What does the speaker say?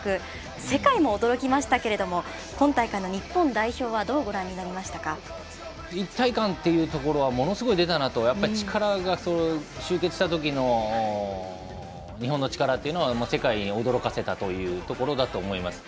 世界も驚きましたけれども今大会の日本代表は一体感というところはものすごく出たなとやっぱり力が集結した時の日本の力は世界を驚かせたというところだと思います。